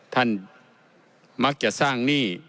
ท่านมักจะสร้างหนี้